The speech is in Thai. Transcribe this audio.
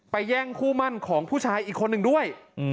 แย่งคู่มั่นของผู้ชายอีกคนหนึ่งด้วย